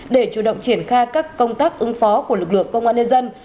để chủ động triển khai các công tác ứng phó của lực lượng công an nhân dân